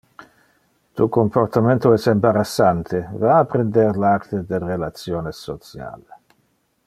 Tu comportamento es embarassante; va apprender le arte del relationes social!